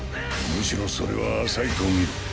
むしろそれは浅いと見る。